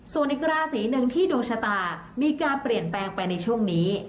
ส่วนอีกราศีหนึ่งที่ดวงชะตามีการเปลี่ยนแปลงไปในช่วงนี้